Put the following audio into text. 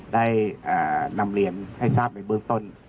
ได้นำเรียนให้ทราบในเบื้องต้น